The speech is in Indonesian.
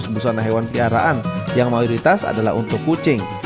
busana hewan piaraan yang mayoritas adalah untuk kucing